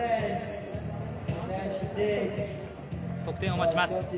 得点を待ちます。